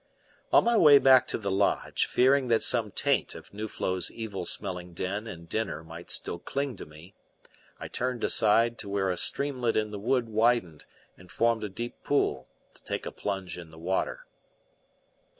On my way back to the lodge, fearing that some taint of Nuflo's evil smelling den and dinner might still cling to me, I turned aside to where a streamlet in the wood widened and formed a deep pool, to take a plunge in the water.